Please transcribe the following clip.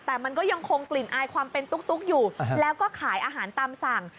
แต่มันก็ยังคงกลิ่นอายความเป็นตุ๊กอยู่แล้วก็ขายอาหารตามสั่ง